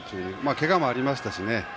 けがもありましたしね。